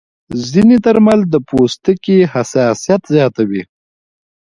ځینې درمل د پوستکي حساسیت زیاتوي.